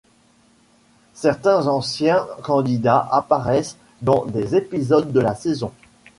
Certains anciens candidats apparaissent dans des épisodes de la saison.